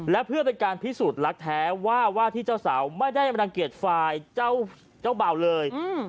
และเพื่อเป็นการพิสูจน์รักแท้ว่าว่าที่เจ้าสาวไม่ได้รังเกียจฝ่ายเจ้าเบาเลย